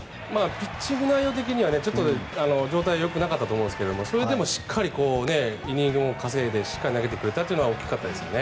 ピッチングの内容的には状態はよくなかったと思うんですがそれでもしっかりイニングも稼いでしっかり投げてくれたのは大きかったですよね。